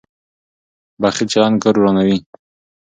بخیل چلند کور ورانوي.